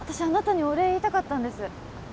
あなたにお礼言いたかったんです